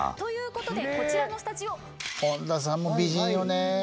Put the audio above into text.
本田さんも美人よね。